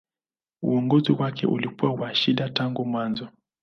Uongozi wake ulikuwa wa shida tangu mwanzo.